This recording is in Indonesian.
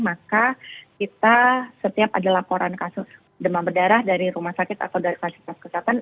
maka kita setiap ada laporan kasus demam berdarah dari rumah sakit atau dari fasilitas kesehatan